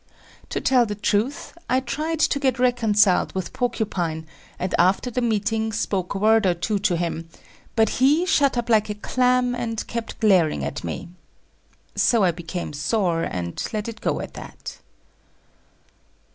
To tell the truth, I tried to get reconciled with Porcupine, and after the meeting, spoke a word or two to him, but he shut up like a clam and kept glaring at me. So I became sore, and let it go at that.